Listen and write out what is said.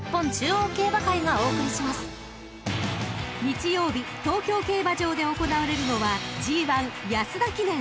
［日曜日東京競馬場で行われるのは］